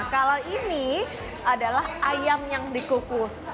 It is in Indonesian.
kalau ini adalah ayam yang dikukus